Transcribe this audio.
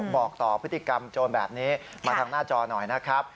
บอกต่อพฤติกรรมโจรแบบนี้มาทางหน้าจอหน่อยนะครับ